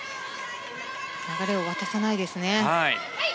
流れを渡さないですね。